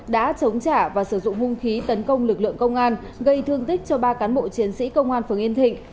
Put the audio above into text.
đã chống trả và sử dụng hung khí tấn công lực lượng công an gây thương tích cho ba cán bộ chiến sĩ công an phường yên thịnh